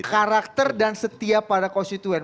karakter dan setia pada konstituen